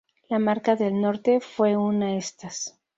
La Marca del Norte fue una estas.